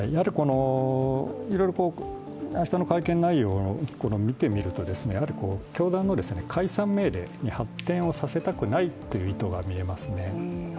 いろいろ明日の会見内容を見てみますとやはり教団の解散命令に発展させたくないという意図が見えますね。